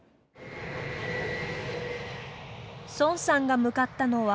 孫さんが向かったのは。